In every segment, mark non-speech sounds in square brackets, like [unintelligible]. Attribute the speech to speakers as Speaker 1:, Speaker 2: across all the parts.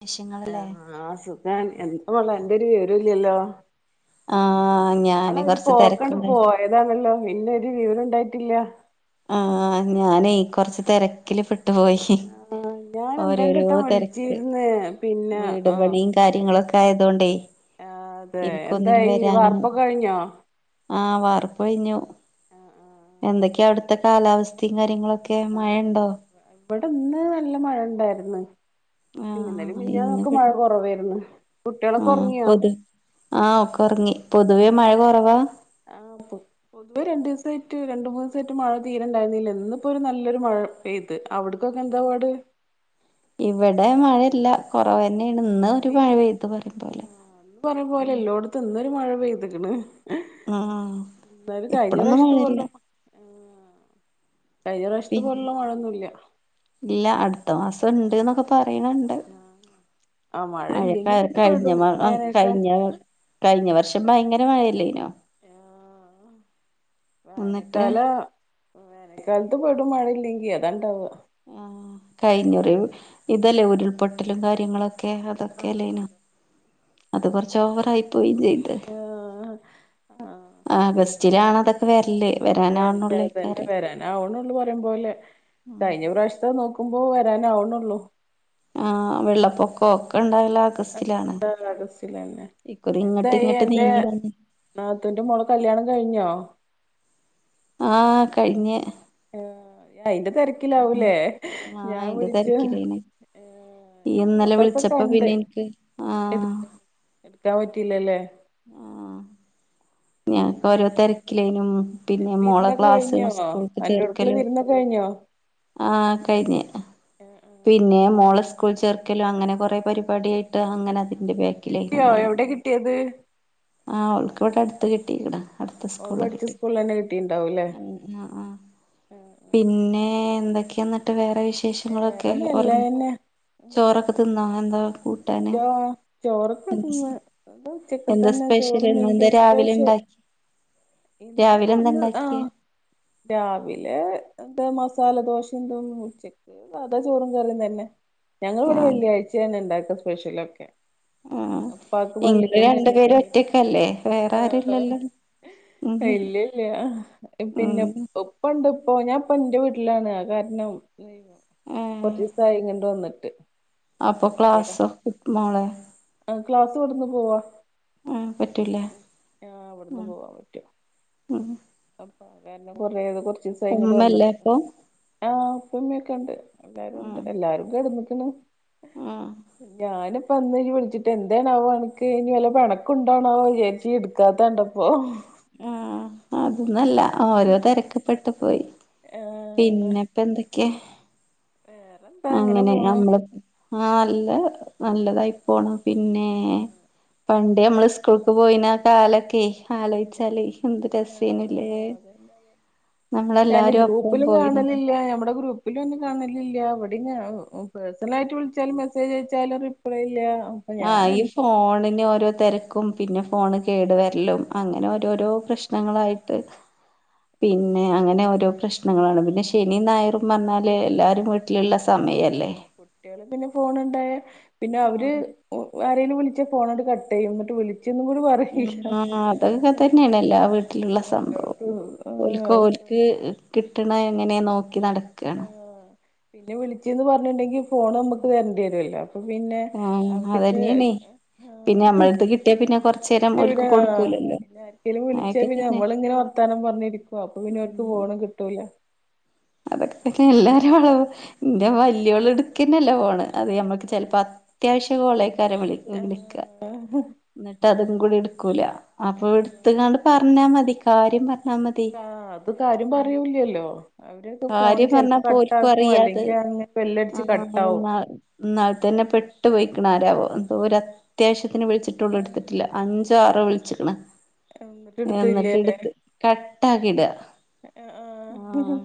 Speaker 1: നിശ്യങ്ങളല്ലേ
Speaker 2: ഞാൻ എന്താ ഉള്ള അന്റെ ഒരു വിവര ഇല്ലല്ലോ.
Speaker 1: ആഹ്
Speaker 2: ഇന്നാള്
Speaker 1: ഞാന്
Speaker 2: ഒരു
Speaker 1: കൊറച്ച്
Speaker 2: പോക്കണ്ടു
Speaker 1: തെരക്കുണ്ട്
Speaker 2: പോയത് ആണല്ലോ പിന്നൊരു വിവരം. ഉണ്ടായിട്ടില്ല
Speaker 1: ആഹ് ഞാനീ കൊറച്ച് തിരക്കില് പെ ട്ടുപോയി
Speaker 2: ആഹ് ഞാൻ ഒന്ന് രണ്ട്
Speaker 1: ഓരോരോ
Speaker 2: വട്ടം
Speaker 1: തേരക്ക്
Speaker 2: വിളിച്ചിരുന്ന് പിന്നെ
Speaker 1: വീട്
Speaker 2: ആഹ്
Speaker 1: പണിയും കാര്യങ്ങള്. നിങ്ങളൊക്കെ ആയതുകൊണ്ട്.
Speaker 2: ആഹ് അതെ എന്തായി വാർപ്പൊക്കെ കഴിഞ്ഞോ.
Speaker 1: ആഹ് വാർപ്പ് കഴിഞ്ഞു.
Speaker 2: ആഹ് ആഹ് ആഹ്
Speaker 1: എന്തൊക്കെയാ അവിടുത്തെ കാലാവസ്ഥയും കാര്യങ്ങളൊക്കെ
Speaker 2: ആഹ്
Speaker 1: മഴയണ്ടോ.
Speaker 2: ആഹ് ഇവിടെ ഇന്ന് നല്ല മഴണ്ടായിരുന്നു പിന്നെ ഇന്നലെയും
Speaker 1: ആഹ്
Speaker 2: മിനിഞ്ഞാന്നും
Speaker 1: ഇന്ന്
Speaker 2: ഒക്കെ മഴ
Speaker 1: ഇവടെ
Speaker 2: കുറവായിരുന്നു. കുട്ടികളൊക്കെ
Speaker 1: ആഹ്
Speaker 2: ഉറങ്ങിയോ
Speaker 1: അപ്പൊ അത് ആഹ് ഒക്കെ ഉറങ്ങി.
Speaker 2: ആഹ് പൊതുവേ രണ്ടു ദിവ ദിവസായിട്ട് രണ്ട് മൂന്ന് സൈറ്റ് മഴ തീരെ ഉണ്ടായിരുന്നില്ല, ഇന്നിപ്പോ ഒരു നല്ലൊരു മഴ പെയ്തു അവിടക്കൊക്കെ എന്താ പാട്. ഉ
Speaker 1: ഇവിടെ മഴയില്ല കുറവ് തന്നെ. യാണ് ഇന്ന് ഒരു
Speaker 2: തീ
Speaker 1: മഴ പെയ്തു വെറുതെയല്ലേ.
Speaker 2: ഇവിടെ മഴ പെയ്തിക്കണ്
Speaker 1: ആഹ്
Speaker 2: എന്നാലും കഴിഞ്ഞ
Speaker 1: ഇപ്പളൊന്നും
Speaker 2: പ്രാവശ്യത്തെപ്പോലെ
Speaker 1: മഴയില്ല
Speaker 2: ഉള്ള മഴ.
Speaker 1: പി
Speaker 2: പോലുള്ള മഴൊന്നുല്ല
Speaker 1: ഇല്ല അടുത്ത മാസം ഉണ്ട് എന്നൊക്കെ പറ പറയണണ്ട്
Speaker 2: ആഹ്
Speaker 1: മഴ ക
Speaker 2: ഇല്ലെങ്കി പിന്നെ
Speaker 1: കഴിഞ്ഞ
Speaker 2: പെടും
Speaker 1: മ
Speaker 2: വേനൽക്കാ
Speaker 1: കഴിഞ്ഞ കഴിഞ്ഞ വർഷം. ഭയങ്കര മഴയല്ലേ ഇപ്പൊ.
Speaker 2: ആഹ്
Speaker 1: എന്നിട്ട്
Speaker 2: വേനക്കാലം. വേനൽക്കാലത്ത് പെടും മഴ ഇല്ലെങ്കിൽ അതാണ്ടാവുക.
Speaker 1: ആ കഴിഞ്ഞറി ഇതല്ലേ ഉരുൾപൊട്ടലും കാര്യങ്ങളൊ. ഓക്കെ
Speaker 2: ആഹ്
Speaker 1: അതൊക്കെയല്ലേ ഇനം
Speaker 2: അതെ
Speaker 1: അത് കൊറച്ച് ഓവറായി പോയും ചെയ്ത്.
Speaker 2: ആഹ് ആഹ്
Speaker 1: ആ
Speaker 2: പിന്നെ
Speaker 1: ബസ്റ്റിലാണ് അതൊക്കെ വര്ല്. വരാനാവ്ണൊള്ളേക്കാരം
Speaker 2: ഷ്ടം പോലെ
Speaker 1: ഉം
Speaker 2: കഴിഞ്ഞ പ്രാവശ്യത്തെ നോക്കുമ്പോ വരാനാവ്ണൊള്ളൂ
Speaker 1: ആ വെള്ളപ്പൊക്കൊ ഒക്കെ ഉണ്ടായി
Speaker 2: അ ഒക്കെണ്ടാവല് ആഗസ്റ്റിലന്നെ
Speaker 1: ഇക്കുറി ഇങ്ങട്ട്
Speaker 2: എന്തായി
Speaker 1: ഇങ്ങട്ട്
Speaker 2: അന്റെ
Speaker 1: നീങ്ങി വന്ന്
Speaker 2: നാത്തൂന്റെ മോളെ കല്യാണം കഴിഞ്ഞോ
Speaker 1: ആ കഴിഞ്ഞ്
Speaker 2: ആ ഇയയിന്റെ
Speaker 1: പിന്നെ
Speaker 2: തിരക്കിലാവൂലേ
Speaker 1: ആഹ്
Speaker 2: ഞാൻ
Speaker 1: അയിന്റെ
Speaker 2: വിളച്ച് ആഹ്
Speaker 1: തിരക്കിലേനി ഇയ്യ്
Speaker 2: ഞാൻ
Speaker 1: ഇന്നലെ
Speaker 2: ഫോട്ടോസൊക്കെ
Speaker 1: വിളിച്ചപ്പോ
Speaker 2: കണ്ട്
Speaker 1: പിന്നെ എനിക്ക്
Speaker 2: ഇട്
Speaker 1: ആഹ്
Speaker 2: ഇട്ക്കാൻ പറ്റീല്ലല്ലേ
Speaker 1: ആഹ് ഞങ്ങക്ക്
Speaker 2: പിന്നെ
Speaker 1: ഓരോ തിരക്കിലേനും പിന്നെ മോളെ
Speaker 2: വിരുന്നൊക്കെ
Speaker 1: ക്ലാസ്സും
Speaker 2: കഴിഞ്ഞോ
Speaker 1: സ്കൂൾക്ക്
Speaker 2: അൻ്റോട്ക്ക്ല്ലെ
Speaker 1: ചേർക്കലും
Speaker 2: വിരുന്ന് ഒക്കെ കഴിഞ് ഞൊ
Speaker 1: ആഹ് കഴിഞ്ഞ് പിന്നെ മോള സ്കൂൾ ചേർക്കലും അങ്ങനെ കൊറെ പരിപാടി ആയിട്ട്
Speaker 2: ആ.
Speaker 1: അങ്ങനെ അതിൽ ന്റെ ബാക്കിലേനു
Speaker 2: കിട്ടിയോ
Speaker 1: ഇന്നലെ
Speaker 2: എവിടെ കിട്ടിയത്
Speaker 1: ആഹ് അവൾക്ക് ഇവിടെ അടുത്ത് കിട്ടിക്ക്ണ് അടുത്ത
Speaker 2: ഓള്
Speaker 1: സ്കൂളിൽ
Speaker 2: പഠിച്ച
Speaker 1: കിട്ടി
Speaker 2: സ്കൂളിൽ തന്നെ കിട്ടിണ്ടാവൂല്ലേ
Speaker 1: ആ ആ പിന്നെ എന്തൊക്കെയ എന്നിട്ട് വേറെ
Speaker 2: ഏറെ
Speaker 1: വിശേഷങ്ങളൊക്കെ ഓർ
Speaker 2: നല്ലതന്നെ
Speaker 1: ചോറൊക്കെ തിന്നോ കൂട്ടാന്
Speaker 2: ചോ ചോറക്കെ
Speaker 1: എന്താ
Speaker 2: തിന്ന്
Speaker 1: എന്താ
Speaker 2: ഉച്ചക്കത്തന്നെ
Speaker 1: സ്പെഷ്യൽ
Speaker 2: ചോറും
Speaker 1: ഇന്നെന്താ രാവിലെ
Speaker 2: [unintelligible]
Speaker 1: ഇണ്ടാക്കി
Speaker 2: ഇന്ന്
Speaker 1: രാവിലെ എന്താ
Speaker 2: ഒന്ന്
Speaker 1: ഇണ്ടാക്കിയേ
Speaker 2: ആഹ് രാവിലെ എന്താ മസ് സാലദോശിം തും ഉച്ചക്ക് സാതാ ചോറും കറിം തന്നെ ഞങ്ങളിവിടെ
Speaker 1: ആഹ്
Speaker 2: വെള്ളിയാഴ്ചേണ് ഇണ്ടാക്ക സ്പെഷ്യലൊക്കെ
Speaker 1: ആഹ്
Speaker 2: ഉപ്പാക്ക്
Speaker 1: ഇങ്ങള്
Speaker 2: പള്ളിക്കന്ന്
Speaker 1: രണ്ടു പേരും
Speaker 2: [unintelligible]
Speaker 1: ഒറ്റക്കല്ലേ വേറെ
Speaker 2: ആഹ്
Speaker 1: ആരുല്ലല്ലോ ഉം
Speaker 2: ഇ ല്യില്ല പിന്നെ
Speaker 1: ഉം
Speaker 2: ഒപ്പണ്ട് പ്പൊ ഞാൻ ഇപ്പൊ ഇന്റെ വീട്ടിലാണ് അത് കാരണം [unintelligible]
Speaker 1: ഏഹ്
Speaker 2: കൊറച്ചിസായി ഇങ്ങട്ട് വന്നിട്ട്
Speaker 1: അപ്പൊ ക്ലാസ്സൊ
Speaker 2: ആ ക്ലാസ് ഇവട്ന്ന് പോവാ
Speaker 1: ആഹ് പറ്റൂല
Speaker 2: ഉ ഇവട്ന്ന്
Speaker 1: ഉം
Speaker 2: പോവാൻ പറ്റും
Speaker 1: ഉം
Speaker 2: അപ്പൊ കാരണം കൊറെ യ. ത് കുറചീസായിങ്ങട്ട് വന്നിട്ട്
Speaker 1: ഉമ്മല്ലേ അപ്പൊ
Speaker 2: ആഹ് ഇപ്പിമ്യൊക്കെ ണ്ട്. എല്ലാരുംണ്ട്
Speaker 1: ഉം
Speaker 2: എല്ലാരും കെട്ന്ന്ക്ണ്
Speaker 1: ഉം
Speaker 2: ഞാനും പ്പം ഇന്ന് ഇയ്യ് വിളിച്ചിട്ട് എന്തേണാവോ അണക്ക് ഇനി വല്ല പെണക്കും ഉണ്ടോണാവോ വിചാരിച്ച് ഇടുക്കാത്ത കണ്ടപ്പോ
Speaker 1: ആ അതൊന്നല്ല ഓരോ തെരക്കിപ്പെട്ടു പോയി
Speaker 2: ആഹ്
Speaker 1: ക്കെ
Speaker 2: വേറെന്താ
Speaker 1: അങ്ങനെ
Speaker 2: പോണു
Speaker 1: ഞമ്മള് ആ നല്ല നല്ലതായി പോണം പിന്നെ പണ്ട് ഞമ്മള് സ്കൂൾക്ക് പോയിന ആ കാലൊക്കെ
Speaker 2: ആഹ്
Speaker 1: ആലോചിച്ചാലേ എന്ത് രസേനു ലേ
Speaker 2: ഞാൻ ഗ്രൂപ്പിലും കാണലില്ല ഞമ്മടെ ഗ്രൂപ്പിലും അന്നെ കാണലില്ല വ പിന്നെ പേഴ്സണൽ ആയിട്ട് വിളിച്ചാലും മെസേജ് അയച്ചാലും റിപ്ലൈ ഇല്ല അപ്പൊ ഞാൻ
Speaker 1: ആഹ് ഈ
Speaker 2: എന്താ
Speaker 1: ഫോണിന് ഓരോ തിരക്കും പിന്നെ ഫോണ് കേടു വരലും അങ്ങനെ ഓരോരോ പ്രശ്നങ്ങളായിട്ട്
Speaker 2: ഉം ഉം
Speaker 1: പിന്നെ അങ്ങനെ ഓരോ പ്രശ് നങ്ങളാണ് പിന്നെ ശനി ഞായറും പറഞ്ഞാൽ എല്ലാവരും വീട്ടിലുള്ള സ
Speaker 2: ആ കുട്ടിയേള് പിന്നെ ഫോണ് ണ്ടായ പിന്നെ അവര് [unintelligible] ആരേലും വിളിച്ച ഫോണാണ്ട് കട്ട് ചെയ്യും ഇന്നട്ട് വിളി
Speaker 1: ഉം ആ അതൊക്കെ തന്നെയാണ് എല്ലാ വീട്ടിലുള്ള സംഭവം
Speaker 2: എല്ലോടത്തും
Speaker 1: ഓൽക്ക് ഓൽ
Speaker 2: അവസ്ഥ
Speaker 1: ക്ക് കിട്ടണത് എങ്ങനെ നോക്കി നടക്കാണ്
Speaker 2: ആഹ് പിന്നെ വിളിച്ച്ന്ന് പറഞ്ഞിണ്ടെങ്കിൽ ഫോൺ നമക്ക് തരണ്ടിയെരൊല്ലൊ അപ്പൊ പിന്നെ
Speaker 1: ആഹ്
Speaker 2: അവർക്ക്
Speaker 1: അതന്നെയാണേ
Speaker 2: ആ
Speaker 1: പിന്നെ നമ്മളടുത്ത് കിട്ടിയാ പിന്നെ കൊറച്ചേരം
Speaker 2: കിട്ടൂല
Speaker 1: ഓൽക്ക്
Speaker 2: ആ
Speaker 1: കൊടുക്കൂലല്ലോ
Speaker 2: പിന്നെ ആർക്കേലും വിളിച്ചാ
Speaker 1: അതൊക്കെ
Speaker 2: പിന്നെ
Speaker 1: തന്നെ
Speaker 2: നമ്മളിങ്ങനെ വർത്താനം പറഞ്ഞിരിക്കും അപ്പൊ പിന്നെ ഓൽക്ക്
Speaker 1: ഉം
Speaker 2: ഫോണ് കിട്ടൂല
Speaker 1: അതൊക്കെ തന്നെ എല്ലാരിം വളവ് ഇന്റെ വല്യോള് ഇടുക്കന്നെല്ല ഫോണ് അതെ നമ്മക്ക് ചിലപ്പോ അത്യാവശ്യ കോളേക്കാര വിളി വിളിക്ക
Speaker 2: ആഹ്
Speaker 1: എന്നിട്ടതും ങ്കൂടിട്ക്കൂല അപ്പൊ
Speaker 2: ആഹ്
Speaker 1: ഇട്ത്ത്കാണ്ട് പറഞ്ഞാ മതി കാര്യം പർ
Speaker 2: അ അത് കാര്യം പറയൂലല്ലോ
Speaker 1: കാര്യം പറഞ്ഞാ പോൽക്കും അറിയാ ത്
Speaker 2: അല്ലെങ്കി അങ്ങനെ
Speaker 1: ആ
Speaker 2: ബെല്ലടിച്ച് കട്ടാവും
Speaker 1: ന്നാ ന്നാൾ തന്നെ പെ ട്ട് പോയിക്ക്ണ് ആരാവോ എന്തോ ഒര അത്യാവശ്യത്തിന് വിളിച്ചിട്ട് ഓള്
Speaker 2: ആഹ്
Speaker 1: എടുത്തിട്ടില്ല അഞ്ചോ ആറോ വിളിച്ച്ക്ക്ണ്
Speaker 2: എന്നിട്ട്
Speaker 1: എന്നിട്ട്
Speaker 2: എടുത്തില്ലേല്ലേ
Speaker 1: എടുത്ത് കട്ടാക്കിട ആ
Speaker 2: ആഹ്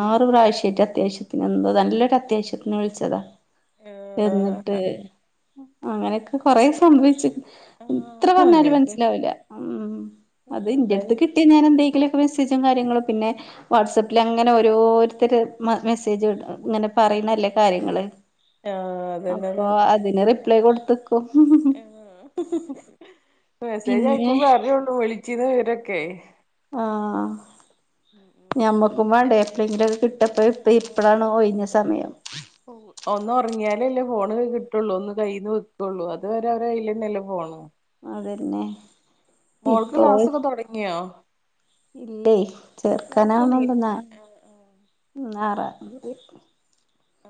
Speaker 1: ആറ് പ്രാവശ്യമായിട്ട് അത്യാവശ്യത്തിന് എന്തോ നല്ലൊരു അത്യാവശ്യത്തിന് വിളിച്ചതാ എന്നിട്ട്
Speaker 2: ആഹ്
Speaker 1: അങ്ങനെയൊക്കെ കൊറേ സംഭവിച്ചു ഇത്ര
Speaker 2: ആഹ്
Speaker 1: പറഞ്ഞാലും
Speaker 2: അങ്ങൻത്തന്നെ
Speaker 1: മനസ്സിലാവില്ല ഉം അത്
Speaker 2: അതന്നെ
Speaker 1: ഇൻ്റെട്ത്ത് കിട്ടിയ ഞാൻ എന്തെങ്കിലും മെസ്സേജും കാര്യങ്ങളും പിന്നെ വാട്സാപ്പിൽ അങ്ങനെ ഓരോരുത്തര് മ മെസ്സേജ് വിടും ഇങ്ങനെ
Speaker 2: ആഹ്
Speaker 1: പറയുന്നല്ലേ കാര്യങ്ങള്
Speaker 2: ആഹ് അതന്നെ
Speaker 1: അപ്പൊ
Speaker 2: അതന്നെ
Speaker 1: അതിന് റിപ്ലൈ കൊടുത്ത്
Speaker 2: മെസ്സേജ്
Speaker 1: പിന്നെ
Speaker 2: വായിക്കുമ്പളേ അറിയൊള്ളു വിളിച്ചീന്നെ വിവരൊക്കെ
Speaker 1: ആഹ്
Speaker 2: ഉം ഉം
Speaker 1: ഞമ്മക്കും വേണ്ടേ എപ്പോഴെങ്കിലും അത് കി പ്പ ഇപ്പ ഇപ്പഴാണ്
Speaker 2: ആഹ്
Speaker 1: ഒഴിഞ്ഞ സമയം
Speaker 2: ഒന്ന് ഒറങ്ങിയാലല്ലേ ഫോണ് കിട്ടള്ളൂ ഒന്ന് കയ്യിൽന്ന് വെക്കുള്ളൂ അത് വരെ അവരെ കയ്ല്ലന്നെല്ലേ ഫോണ്
Speaker 1: അതെന്നെ
Speaker 2: മോൾക്ക് ക്ലാസൊക്കെ തുടങ്ങിയാ
Speaker 1: ഇല്ലേ ചേർക്കാനാവണോണ്ട് ന്നാ
Speaker 2: തൊടങ്ങിട്ടില്ലേ ആഹ് ആഹ്
Speaker 1: ന്നാറാ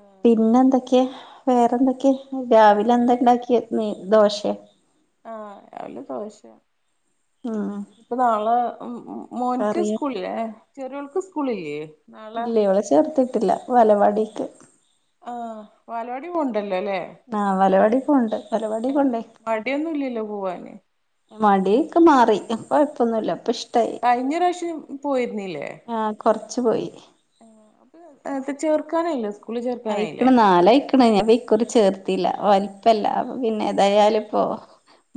Speaker 2: ആഹ്
Speaker 1: പിന്നെ എന്തൊക്കെയാ വേറെന്തൊക്കെയ രാവിലെ എന്താ
Speaker 2: വേറെന്ത്
Speaker 1: ഇണ്ടാക്കിയ ന ദോശെ
Speaker 2: ആഹ് രാവില ദോശ
Speaker 1: ഉം
Speaker 2: ഇപ്പ നാളെ മോൻക്ക്
Speaker 1: കറിയ
Speaker 2: സ്കൂള്ല്ലേ ചെറിയോൾക്ക് സ്കൂളില്ലേ നാളെ
Speaker 1: ഇല്ല ഇവളെ ചേർത്തിട്ടില്ല വലവാടിക്ക്
Speaker 2: ആ വാലവാടി പോ
Speaker 1: ആ വലവാടി പോണ്ട് വലവാടി
Speaker 2: ആഹ്
Speaker 1: പോണ്ടേ
Speaker 2: മടിയൊന്നുല്ലല്ലോ പോവാന്
Speaker 1: മടിയൊക്കെ മാറി കൊഴപ്പൊന്നുല്ല ഇപ്പ
Speaker 2: ആഹ്
Speaker 1: ഇഷ്ടായി
Speaker 2: കഴിഞ്ഞ പ്രാവശ്യം
Speaker 1: ആഹ് കൊറച്ച് പോയി
Speaker 2: ആ അപ്പൊ ചേർക്കാനായില്ലോ സ്
Speaker 1: അയിക്ക്ണ് നാലായിക്ക്ണ് ഇകൊല്ലം ചേർത്തില്ല വലിപ്പല്ല പിന്നെ
Speaker 2: ആഹ്
Speaker 1: എതായാലും ഇപ്പോ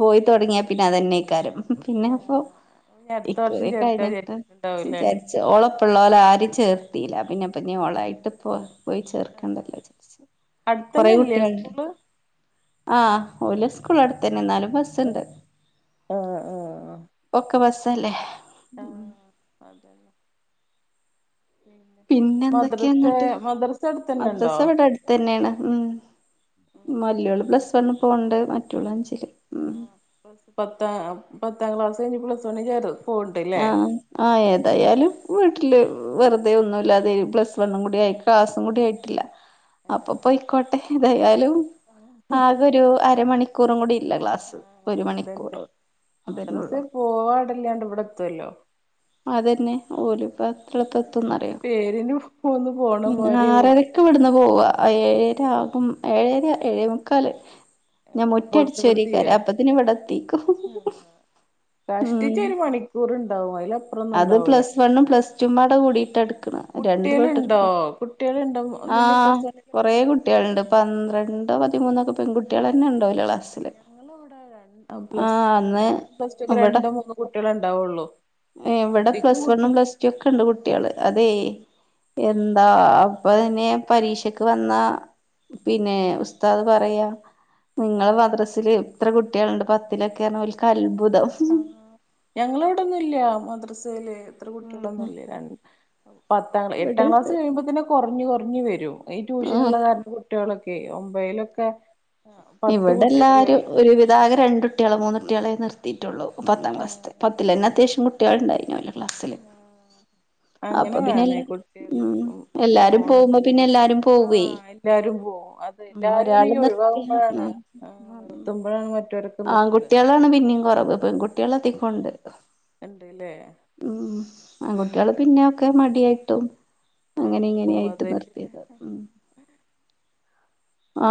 Speaker 1: പോയി തുടങ്ങിയാൽ പിന്നെ അതന്നെയ്ക്കാരം പിന്നെ അപ്പൊ
Speaker 2: ആഹ് ഇനി അടുത്ത വർഷം
Speaker 1: ഇക്കുറി
Speaker 2: ചേർക്കാ
Speaker 1: കഴിഞ്ഞിട്ട്
Speaker 2: വിചാരിച്ചിട്ടുണ്ടാവൂല്ലേ
Speaker 1: വിചാരിച്ച് ഓളൊപ്പൊള്ളോലെ ആരിം ചേ ചേർത്തിയില്ല പിന്നെപ്പഞ്ഞോളായിട്ട് പോ പോയി ചേർ ക്കണ്ടല്ലോ
Speaker 2: ആഹ്
Speaker 1: വിചാരിച്ച് കൊറേ
Speaker 2: അടുത്തന്നെല്ലേ
Speaker 1: കുട്ടിള്ണ്ട്
Speaker 2: സ്കൂള്
Speaker 1: ആഹ് ഓലെ സ്കൂള് അടുത്തെന്നെ ന്നാലും ബസുണ്ട്
Speaker 2: ആഹ് ആഹ്
Speaker 1: ഒക്കെ ബസ് അല്ലേ
Speaker 2: ആഹ് അതെന്നെ
Speaker 1: പിന്നെ എന്തൊക്കെയാ
Speaker 2: മദ്രസെ
Speaker 1: ന്നിട്ട്
Speaker 2: മദ്രസ അടുത്തന്നെ ഉണ്ടോ
Speaker 1: മദ്രസ ഇവിടെ അട്ത്തെന്നെയാണ് ഉം
Speaker 2: ഉം ഉം
Speaker 1: മല്ലോള് പ്ലസ് വണ്ണ് പോവ്ണ്ട് മറ്റോള് അഞ്ച്
Speaker 2: ആ പ്ലസ് പത്താം പത്താം ക്ലാസ് കഴിഞ്ഞ് പ്ലസ് വണി ചേർത്
Speaker 1: ആഹ് ആ ഏതായാലുംട കൊഴ ട്ടില് വെറുതെ ഒന്നുല്ലാതെ പ്ലസ് വണ്ണും കൂടിയി ക്ലാസും കൂടി ആയിട്ടില്ല
Speaker 2: ആഹ്
Speaker 1: അപ്പൊപ്പൊ ഇക്കോട്ടെ ഇതായാലും ആകെ ഒരു അരമണിക്കൂറും കൂടി ഇല്ല ക്ലാസ്സ്
Speaker 2: ആ അതന്നെ മദർസേ പോവാടെല്ലാണ്ട് ഇവിടെ എത്തുല്ലോ
Speaker 1: അതന്നെ ഓലും ഇ എത്ര എപ്പ എത്തുന്നറിയോ
Speaker 2: പേരിന് പോന്ന് പോണ മാരി
Speaker 1: ആറരക്ക് ഇവിടുന്ന് പോവ ഏ ഏഴര ആകും ഏഴേര ഏഴേമുക്കാൽ ഞാൻ
Speaker 2: ആവുമ്പോത്തിന്
Speaker 1: മുറ്റയടിച്ച
Speaker 2: ഇവിടെ തീരാ
Speaker 1: വാരൈക്കാരം അപ്പതിന് ഇവിടെ എത്തീക്കും
Speaker 2: കഷ്ടിച്ചൊ ഒരു മണിക്കൂർ ഇണ്ടാവും അതിലപ്പ
Speaker 1: അത് പ്ലസ് വണ്ണും പ്ലസ്ടും പാടെ കൂടിട്ട് എടുക്ക്ണ രണ്ടു
Speaker 2: കുട്ടികളുണ്ടോ
Speaker 1: പട്ടടുരിക്ക
Speaker 2: കുട്ടികളുണ്ടോ
Speaker 1: ആ
Speaker 2: ഇതില് പ്ലസ് വണ്ണിലൊക്കെ
Speaker 1: കൊറേ കുട്ടികളുണ്ട് പന്ത്രണ്ടോ പതിമൂന്നൊക്കെ പെൺകു കുട്ടിയോള് തന്നെണ്ടോല്ലോ ക്ലാസ്സില്
Speaker 2: ഞങ്ങളിവിടെ പ്ലസ്
Speaker 1: ആഹ്
Speaker 2: പ്ലസ്
Speaker 1: അന്ന്
Speaker 2: പ്ലസ്റ്റു ഒക്കെ
Speaker 1: ഇവിടെ
Speaker 2: രണ്ട് മൂന്ന് കുട്ടികളേണ്ടാവുള്ളു
Speaker 1: ഇവിടെ പ്ലസ് വണ്ണും പ്ലസ് ടു ഒക്കെണ്ട് കുട്ടിയാള് അതെ എന് ന്താ അപ്പൊ പിന്നെ പരീക്ഷക്ക് വന്ന പിന്നെ ഉസ്താദ് പറയാ നിങ്ങള് മദ്രസ്ൽ ഇത്ര കുട്ടിയേള്ണ്ട് പത്തിലൊക്കെയെന്ന് പറഞ്ഞാല് ഓൽക്കൽ
Speaker 2: ആ ഞങ്ങളവിടന്നും ഇല്ല മദ്രസയില് ഇത്ര കുട്ടികളൊന്നും
Speaker 1: ഉം
Speaker 2: ഇല്ല പത്താം എട്ടാം ക്ലാസ്സ്
Speaker 1: ഇവിടെണ്ട്
Speaker 2: കഴിയുമ്പോ തന്നെ കൊറഞ്ഞ് കൊറഞ്ഞ് വരും ഈ ട്യൂഷൻ
Speaker 1: ആഹ്
Speaker 2: ഉള്ള കാരണം കുട്ട്യോളൊക്കെ ഒമ്പേലൊക്കെ
Speaker 1: ഇവിടെ എല്ലാരും ഒരു വിതാക രണ്ട് കുട്ടിയാള് മൂന്ന് കുട്ടിയാളെ നിർത്തിയിട്ടുള്ളു പത്താം
Speaker 2: ആ,
Speaker 1: ക്ലാസ്ത്തെ പത്തിലെന്നെ അത്യാവശ്യം കുട്ടികള് ഉണ്ടായിരുന്നു ഓലെ ക്ലാസ്സില്
Speaker 2: ഉം അങ്ങനെ
Speaker 1: അപ്പൊ പിന്നെ
Speaker 2: വേണേ
Speaker 1: എല്ലാ
Speaker 2: കുട്ട്യാള്
Speaker 1: ഉം എല്ലാരും
Speaker 2: പോണത്
Speaker 1: പോകുമ്പോ പിന്നെ എല്ലാരും
Speaker 2: ആ
Speaker 1: പോവേ
Speaker 2: എല്ലാരും പോവ അതെ
Speaker 1: ഉം
Speaker 2: എല്ലാരും ഇങ്ങനെ
Speaker 1: ഒരാള് നിർത്തി
Speaker 2: ഒഴിവാകുമ്പോഴാണ് ആ നിർത്തുമ്പോഴാണ് മറ്റോര്
Speaker 1: ആകുട്ടിയാളാണ് പിന്നെയും കുറവ് പെ ൺകുട്ട്യാള് എത്തിക്കൊണ്ട്
Speaker 2: ഉണ്ട്ല്ലേ
Speaker 1: ഉം
Speaker 2: ആഹ്
Speaker 1: ആൺകുട്ടികള്
Speaker 2: ആഹ്
Speaker 1: പിന്നെ ഒക്കെ മടി ടിയായിട്ടും അങ്ങനെ ഇങ്ങനെയായിട്ട് നിർത്തിയതാ ഉം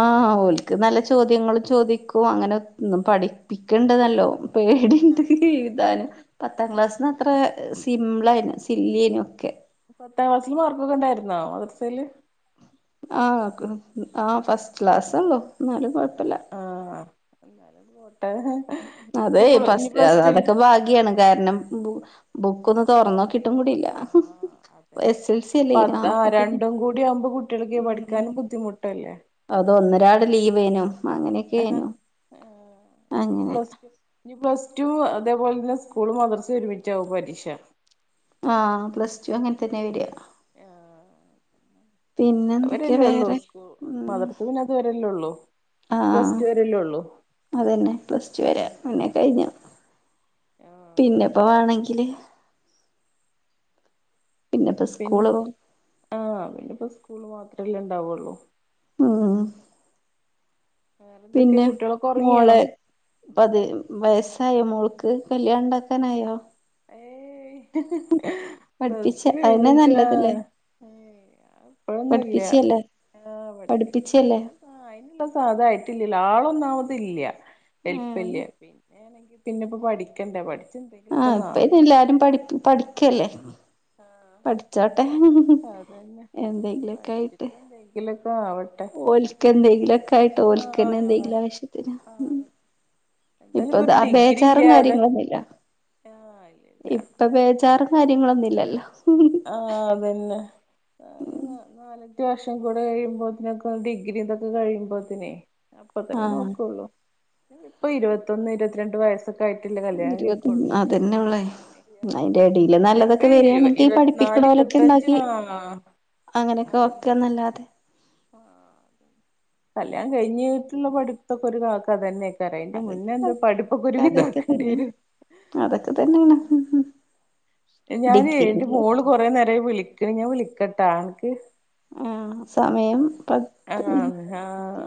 Speaker 1: അ ഓൽക്ക് നല്ല ചോദ്യങ്ങളും ചോദിക്കും അങ്ങനെ ഉത് പഠിപ്പിക്കണ്ടനല്ലോ പേടിയിൻട്
Speaker 2: ആഹ്
Speaker 1: എഴുതാനും പത്താം ക്ലാസ്സിന്ന് അത്ര സിംപ്ളേനും സില്ലിയേനുമൊക്കെ
Speaker 2: പത്താം ക്ലാസ്സില് മാർക്കൊക്കെ ഉണ്ടായിരുന്നോ മദ്രസയില്
Speaker 1: ആ ആ ഫസ്റ്റ് ക്ലാസ്ള്ളോ എന്നാലും കൊഴപ്പല്ല്യ
Speaker 2: ന്താലും ബോ
Speaker 1: അതെ ബസ്
Speaker 2: ടുല്
Speaker 1: അതൊക്കെ ഭാഗ്യാണ് കാരണം ബു ബുക്കൊന്ന് തൊറന്നോ
Speaker 2: ആ ആ ആ അതന്നെ
Speaker 1: എൽ സി അല്ലേനോ
Speaker 2: അതാ
Speaker 1: അപ്പൊ പിന്നെ
Speaker 2: രണ്ടും കൂടി ആവുമ്പോ കുട്ട്യാൾക്ക്
Speaker 1: ഉം
Speaker 2: പഠിക്കാനും ബുദ്ധിമുട്ടല്ലേ
Speaker 1: അത് ഒന്നരാടം ലീവായിനു അങ്ങനെയൊക്കെയാനു അങ്ങനെ
Speaker 2: റ്റും അതേപോലെ തന്നെ സ്കൂളും മദ്രസും ഒരുമിച്ചാവും പരീക്ഷ
Speaker 1: ആ പ്ലസ് ടു അങ്ങനെ തന്നെ വര്യ
Speaker 2: ആ
Speaker 1: പിന്നെ എന്തൊക്കെയാ
Speaker 2: അവരെല്ലേ ഉള്ളൂ
Speaker 1: വേറെ
Speaker 2: സ്കൂ മദ്രസ് പിന്നെ അതുവരെല്ലേ ഉള്ളൂ
Speaker 1: ആ ആ
Speaker 2: പ്ലസ് ടു വരെല്ലേ ഉള്ളൂ
Speaker 1: അതന്നെ പ്ലസ് ടു വരെ
Speaker 2: ഉം
Speaker 1: പിന്നെ
Speaker 2: ഉം
Speaker 1: കഴിഞ്ഞു
Speaker 2: ആഹ് അതെ
Speaker 1: പിന്നെപ്പോ വേണെങ്കില് പിന്നെപ്പോ
Speaker 2: പിന്നെ
Speaker 1: സ്കൂള് പോവും
Speaker 2: ആ പിന്നെപ്പോ സ്കൂള് മാത്രമല്ലേ ഇണ്ടാവുള്ളൂ
Speaker 1: ഉം
Speaker 2: വേറെന്തൊക്കെ
Speaker 1: പിന്നെ
Speaker 2: കുട്ടികളൊക്കെ ഉറങ്ങിയോ
Speaker 1: മോളെ പത് വയസ് തായമോൾക്ക് കല്യാണം ഇണ്ടാക്കാനായോ പഠിപ്പിച്ച
Speaker 2: പ്ളസ്ടു
Speaker 1: അതന്നെ
Speaker 2: കഴിഞ്ഞിട്ട ആ
Speaker 1: നല്ലതല്ലേ
Speaker 2: ഇപ്പഴൊന്നുല്ല്യ
Speaker 1: പഠിപ്പിച്ചല്ലേ
Speaker 2: ആ പഠപ്പിക്കന്നെ
Speaker 1: പഠിപ്പിച്ചല്ലേ
Speaker 2: അതിനുള്ള സാധ ആയിട്ടില്ല ആളൊന്ന് ആവതില്ല
Speaker 1: ആഹ്
Speaker 2: എല്പില്ല പിന്നെണെങ്കിൽ പിന്നെപ്പ പഠിക്കണ്ടേ പഠിച്ച്
Speaker 1: ആ ഇപ്പ ഇത് എല്ലാരും പഠി പഠിക്കല്ലേ പഠിച്ചോട്ടെ
Speaker 2: ആഹ് അതന്നെ
Speaker 1: എന്തെങ്കിലൊക്കെ ആയിട്ട്
Speaker 2: പഠിച്ചിട്ട് എന്തെങ്കിലുമൊക്കെ ആവട്ടെ
Speaker 1: ഓൽക്ക് എന്തെങ്കിലും ഒക്കെ ആയിട്ടോ ഓൽക്കന്നെ
Speaker 2: ആഹ്
Speaker 1: എന്തെങ്കിലും ആവശ്യത്തിന്
Speaker 2: ആഹ് എന്തായാലും
Speaker 1: ഇപ്പൊ ദാ
Speaker 2: ഒരു ഡിഗ്രി
Speaker 1: ബേച്ചാറും
Speaker 2: ഇല്ലാതെ
Speaker 1: കാര്യങ്ങളൊന്നുംല്ല്യ
Speaker 2: ആഹ് ഇല്ലല്ല
Speaker 1: ഇപ്പൊ ബേജാറും കാര്യങ്ങളൊന്നുംല്ല്യല്ലോ
Speaker 2: ആ അതന്നെ നാലല്ട്ട വർഷം കൂടെ കഴിയുമ്പോത്തിനൊക്കെ ഡിഗ്രി ഇതൊക്കെ കഴിയുമ്പോത്തിനേ അപ്പൊ തന്നെ
Speaker 1: ആഹ്
Speaker 2: നോക്കുള്ളൂ ഇപ്പൊ ഇരുപത്തൊന്ന് ഇരുപത്തിരണ്ട് വയസ്
Speaker 1: ഇരുപത് അതന്നെയുള്ളേ അതിന്റെ എടേൽ
Speaker 2: ചെലപ്പോ
Speaker 1: നല്ലതൊക്കെ വരിയാണെങ്കിൽ പഠിപ്പിക്ക
Speaker 2: ഇരുപത്തിനാല്
Speaker 1: ക്കണോലൊക്കെ
Speaker 2: ഇരുപത്തഞ്ച്
Speaker 1: ഉണ്ടാക്കി
Speaker 2: ആ
Speaker 1: അങ്ങനെയൊക്കെ
Speaker 2: അതന്നെ
Speaker 1: നോക്കാന്നല്ലാതെ
Speaker 2: കല്യാണം കഴിഞ്ഞ്ട്ട്ള്ള പഠിത്തൊക്കെ ഒരു കാലത്ത് അതന്നെയ പറയണ്ട അതിന്റെ മുന്നേ
Speaker 1: അതൊക്കെ
Speaker 2: എന്താ
Speaker 1: അതൊക്കെ
Speaker 2: പടിപൊക്കോരുവിധാക്കേണ്ടി
Speaker 1: തന്നെ
Speaker 2: വരും
Speaker 1: അതൊക്കെ തന്നെയാണ്
Speaker 2: ഞാനെ എന്റെ
Speaker 1: ഡിഗ്രിയില്
Speaker 2: മോള് കൊറേ നേരായി വിളിക്ക്ണ് ഞാൻ വിളിക്കട്ടാ അനക്ക്
Speaker 1: മ് ശ
Speaker 2: ആ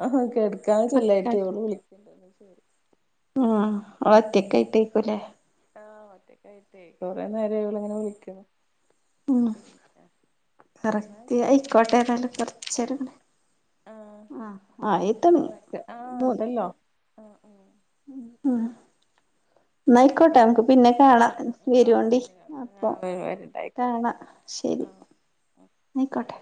Speaker 2: ആ കെട്ക്കാൻ ചെല്ലാഞ്ഞിട്ട് ഓള് വിളിക്ക്ണ്ട് ന്നാ ശരി
Speaker 1: മ് ഓളൊറ്റക്കായിറ്റേക്കും ല്ലേ
Speaker 2: ആ ഒറ്റക്കായിട്ടേ കൊറേ നേരായി ഓള്ങ്ങനെ വിളിക്ക്ണ്
Speaker 1: മ്
Speaker 2: പിന്നെ എന്നാ
Speaker 1: കറക്റ്റ്
Speaker 2: ആയിക്കോട്ടെ
Speaker 1: അയ്ക്കോട്ടേല്ലാണ്ട് കൊറച്ചേരൊന്ന്
Speaker 2: ആഹ്
Speaker 1: ആ ആ ആയെതൊടങ്ങി
Speaker 2: ആഹ് ആഹ് ഉണ്ടല്ലോ ആഹ് ആഹ്
Speaker 1: മ് ന്നാ അയ്കോട്ടെ മ്മക്ക് പിന്നെ കാണാ
Speaker 2: ആഹ് ആഹ് ആഹ്
Speaker 1: വരോണ്ടി
Speaker 2: പിന്നെ
Speaker 1: അപ്പൊ
Speaker 2: ആഹ് വരുണ്ടായിക്കോട്ടെ
Speaker 1: കാണാ ശരി
Speaker 2: ആഹ്
Speaker 1: ന്നാ അയ്ക്കോട്ടെ